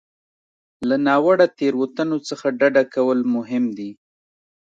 له ناوړه تېروتنو څخه ډډه کول مهم دي.